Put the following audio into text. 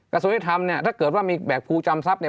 กระทรวงยุทธรรมเนี่ยถ้าเกิดว่ามีแบกภูจอมทรัพย์เนี่ย